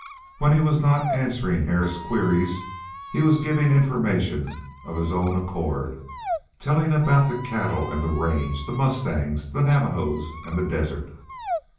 When he was not answering Hare's queries he was giving information of his own accord, telling about the cattle and the range, the mustangs, the Navajos, and the desert.